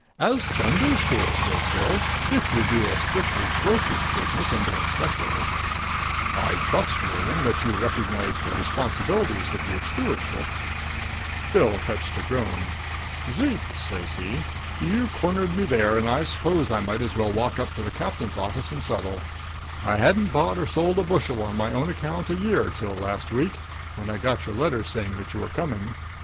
"As Sunday school," says Bill, "if you do a strictly brokerage business and don't speculate." "I trust, William, that you recognize the responsibilities of your stewardship?" [Illustration: "I started in to curl up that young fellow to a crisp."] Bill fetched a groan. "Zeke," says he, "you cornered me there, and I 'spose I might as well walk up to the Captain's office and settle. I hadn't bought or sold a bushel on my own account in a year till last week, when I got your letter saying that you were coming.